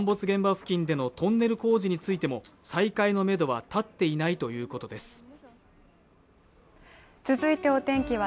現場付近でのトンネル工事についても再開のめどは立っていないということです